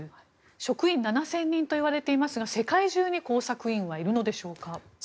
職員７０００人といわれていますが世界中に工作員はいるのでしょうか。